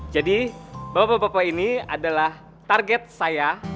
bapak bapak ini adalah target saya